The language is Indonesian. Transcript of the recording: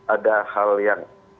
ada hal yang